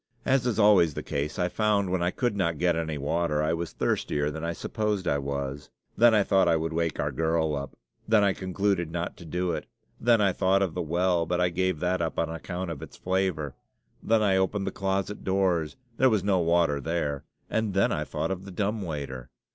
As is always the case, I found, when I could not get any water, I was thirstier than I supposed I was. Then I thought I would wake our girl up. Then I concluded not to do it. Then I thought of the well, but I gave that up on account of its flavor. Then I opened the closet doors: there was no water there; and then I thought of the dumb waiter!